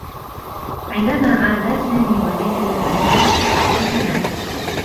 عندما عادا سامي و ليلى للمنزل، تخاصما.